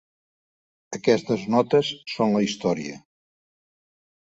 Aquestes notes són la història.